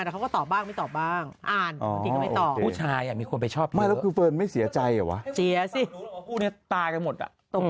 เมื่อพี่เดือนเพิ่งเจอกันพฤศจิกายน